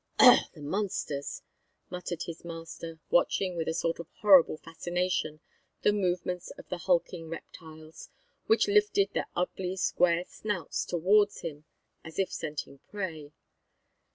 "Ugh, the monsters!" muttered his master, watching with a sort of horrible fascination the movements of the hulking reptiles, which lifted their ugly, square snouts towards him as if scenting prey.